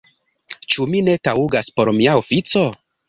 Ĉu mi ne taŭgas por mia ofico?